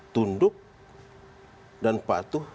tunduk dan patuh